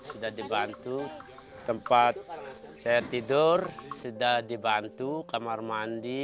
sudah dibantu tempat saya tidur sudah dibantu kamar mandi